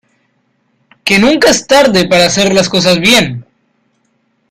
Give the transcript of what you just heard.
que nunca es tarde para hacer las cosas bien.